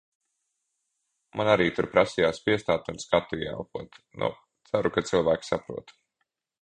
Man arī tur prasījās piestāt un skatu ieelpot. Nu ceru, ka cilvēki saprot.